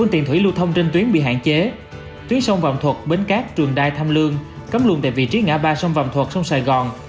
tuyến sông vọng thuật bến cát trường đai thăm lương cấm luồng tại vị trí ngã ba sông vọng thuật sông sài gòn